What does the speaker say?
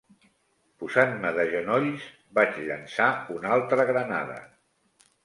Posant-me de genolls, vaig llançar una altra granada